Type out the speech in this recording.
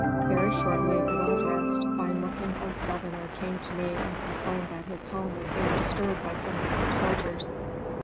Very shortly a well dressed, fine looking old Southerner came to me and complained that his home was being disturbed by some of our soldiers.